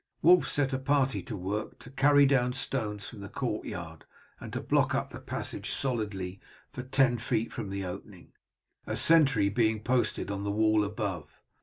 Wulf set a party to work to carry down stones from the courtyard, and to block up the passage solidly for ten feet from the opening, a sentry being posted on the wall above.